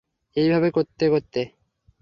এইভাবে করতে করতে।